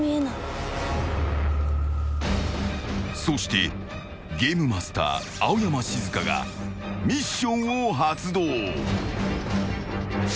［そしてゲームマスター青山シズカがミッションを発動］